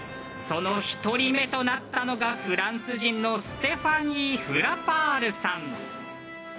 その１人目となったのがフランス人のステファニー・フラパールさん。